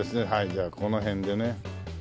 じゃあこの辺でね。